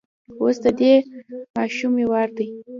اوس د دې ماشومې وار دی.